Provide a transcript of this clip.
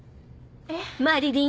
えっ。